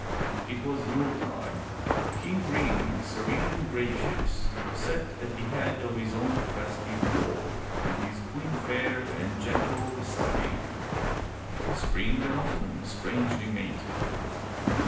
It was Yule tide. King Ring, serene and gracious, sat at the 351 M Y BOOK HOUSE head of his own festive board with his queen fair and gentle beside him, — spring and autumn strangely mated.